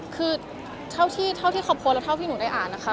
คือเท่าที่เขาโพสต์แล้วเท่าที่หนูได้อ่านนะคะ